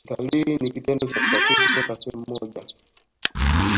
Utalii ni kitendo cha kusafiri kutoka sehemu moja